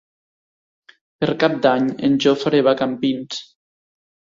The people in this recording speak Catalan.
Per Cap d'Any en Jofre va a Campins.